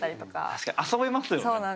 確かに遊べますよね